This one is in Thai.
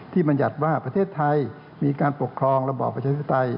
บรรยัติว่าประเทศไทยมีการปกครองระบอบประชาธิปไตย